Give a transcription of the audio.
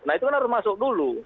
nah itu kan harus masuk dulu